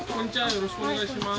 よろしくお願いします。